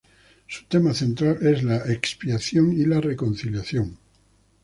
Su tema central es la expiación y la reconciliación.